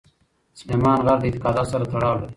سلیمان غر له اعتقاداتو سره تړاو لري.